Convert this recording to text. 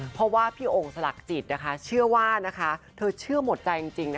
เพราะว่าพี่องค์สลักจิตนะคะเชื่อว่านะคะเธอเชื่อหมดใจจริงนะคะ